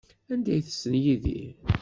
Anda ay tessen Yidir?